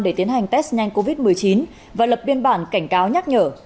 để tiến hành test nhanh covid một mươi chín và lập biên bản cảnh cáo nhắc nhở